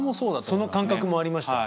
その感覚もありました？